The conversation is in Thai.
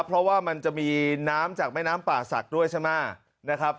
เพราะว่ามันจะมีน้ำจากมะน้ำป่าศักด้วยใช่ไหม